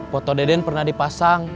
foto deden pernah dipasang